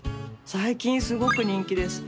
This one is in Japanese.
最近すごく人気です。